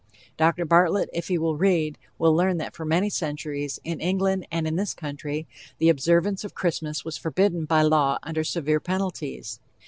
Dr. Bartlett, if he will read, will learn that for many years, in England and in this country, the observance of Christmas was forbidden by law under severe penalties.